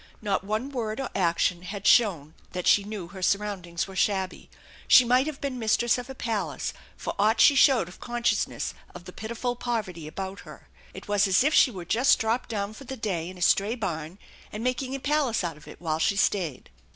Not one word or action had shown that she knew her surroundings were shabby. She might have been mistress of a palace for aught she showed of consciousness of the pitiful poverty about her. It was as if she were just dropped down for the day in a stray barn and making a palace out of it while she stayed.